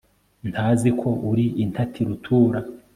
ntazi ko uri intati rutura